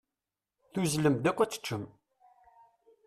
Tuzzlem-d akk ad teččem.